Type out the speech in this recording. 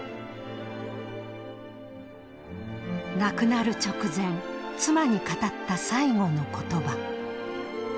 亡くなる直前妻に語った最期の言葉。